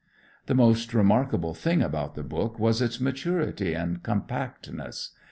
The most remarkable thing about the book was its maturity and compactness.